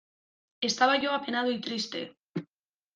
Estaba yo apenado y triste.